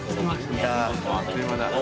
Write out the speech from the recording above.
あっという間だ。